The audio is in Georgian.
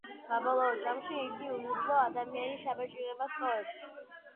საბოლოო ჯამში იგი უიღბლო ადამიანის შთაბეჭდილებას სტოვებს.